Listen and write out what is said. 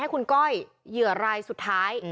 ให้คุณก้อยเหยื่อรายสุดท้าย